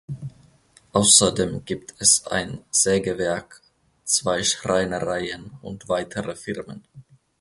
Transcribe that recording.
Außerdem gibt es ein Sägewerk, zwei Schreinereien und weitere Firmen.